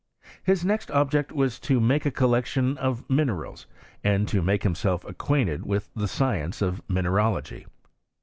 His next object was to make a collection of mine 1S3 HISTORY OF CHemsTar. Is, and 10 make himself acquainted with the science of mineralogy.